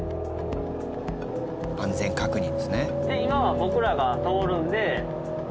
安全確認ですね。